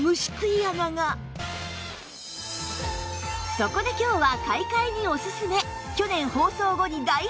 そこで今日は買い替えにおすすめ！